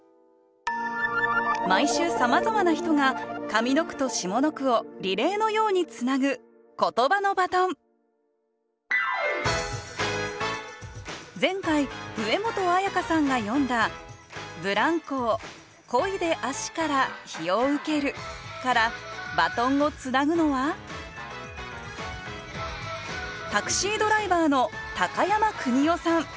毎週さまざまな人が上の句と下の句をリレーのようにつなぐ前回上本彩加さんが詠んだ「ブランコをこいで足から陽を受ける」からバトンをつなぐのはタクシードライバーの高山邦男さん。